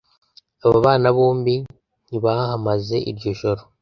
Aba bana bombi ntibahamaze iryo joro